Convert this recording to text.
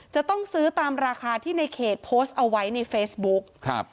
จะต้องซื้อตามราคาที่ในเขตโพสต์เอาไว้ในเฟซบุ๊คครับ